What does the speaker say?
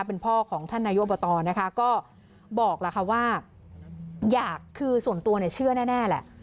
เป็นพ่อของท่านนายกตนะคะก็บอกล่ะค่ะว่าอยากคือส่วนตัวเนี่ยเชื่อแน่แหละ